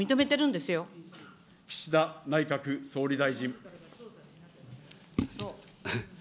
岸田内閣総理大臣。